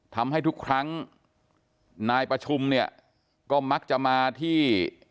ทำให้ทุกครั้งนายประชุมเนี่ยก็มักจะมาที่